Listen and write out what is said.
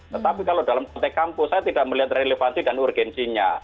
tetapi kalau dalam konteks kampus saya tidak melihat relevansi dan urgensinya